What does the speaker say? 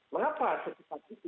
mengapa sekepat itu